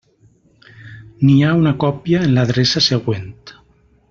N'hi ha una còpia en l'adreça següent.